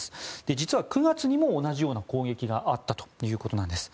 実は９月にも同じような攻撃があったということです。